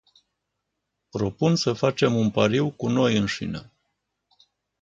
Propun să facem un pariu cu noi înșine.